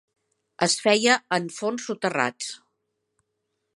Es feia en forns soterrats.